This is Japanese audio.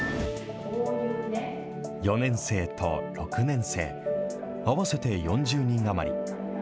４年生と６年生、合わせて４０人余り。